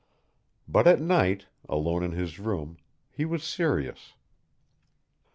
But at night, alone in his room, he was serious.